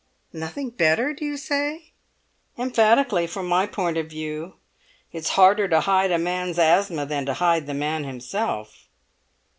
"Nothing better, do you say?" "Emphatically, from my point of view. It's harder to hide a man's asthma than to hide the man himself."